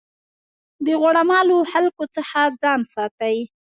د غوړه مالو خلکو څخه ځان ساتئ.